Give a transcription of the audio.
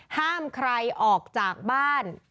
ห้ามใครออกจากบ้าน